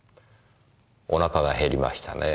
お腹が減りましたねぇ。